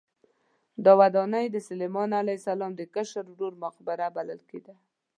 دا ودانۍ د سلیمان علیه السلام د کشر ورور مقبره بلل کېده.